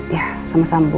ya sama sama bu